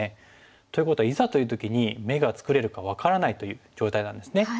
ということはいざという時に眼が作れるか分からないという状態なんですね。